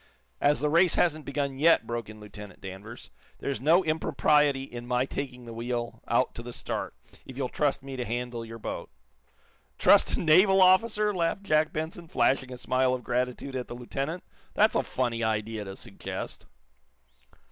"As the race hasn't begun yet," broke in Lieutenant Danvers, "there is no impropriety in my taking the wheel out to the start, if you'll trust me to handle your boat." "Trust a naval officer?" laughed Jack Benson, flashing a smile of gratitude at the lieutenant. "That's a funny idea to suggest."